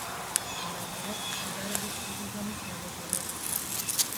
არ ატარებს შედარებით დიდი ზომის მოლეკულებს.